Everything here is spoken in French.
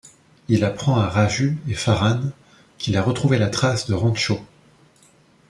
Il apprend à Raju et Farhan qu'il a retrouvé la trace de Rancho.